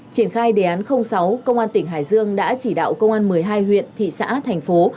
triển khai đề án sáu công an tỉnh hải dương đã chỉ đạo công an một mươi hai huyện thị xã thành phố